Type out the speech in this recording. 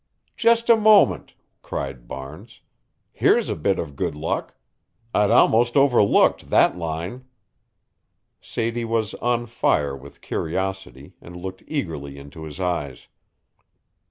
"Just a moment," cried Barnes. "Here's a bit of good luck. I'd almost overlooked that line." Sadie was on fire with curiosity and looked eagerly into his eyes.